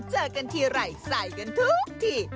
เจอกันทีไรใส่กันทุกที